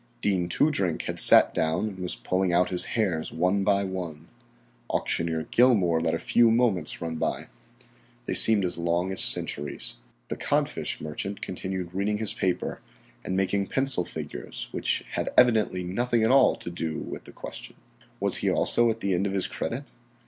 Dean Toodrink had sat down and was pulling out his hairs one by one. Auctioneer Gilmour let a few moments run by. They seemed as long as centuries. The codfish merchant continued reading his paper and making pencil figures which had evidently nothing at all to do wth [with] the question. Was he also at the end of his credit?